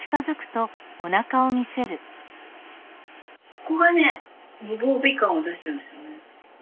ここがね無防備感を出してるんですよね。